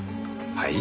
はい？